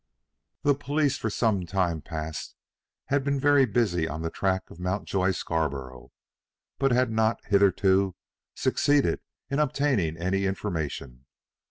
The police for some time past had been very busy on the track of Mountjoy Scarborough, but had not hitherto succeeded in obtaining any information.